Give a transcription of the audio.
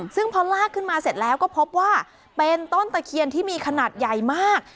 ซึ่งพอลากขึ้นมาเสร็จแล้วก็พบว่าเป็นต้นตะเคียนที่มีขนาดใหญ่มาก